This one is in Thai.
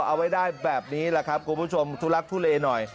เอาไว้ได้แบบนี้แหละครับคุณผู้ชมทุลักทุเลหน่อย